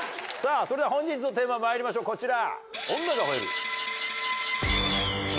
それでは本日のテーマまいりましょうこちら！